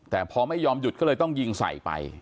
แต่พอไม่ยอมหยุดก็เลยต้องยิงใส่ไป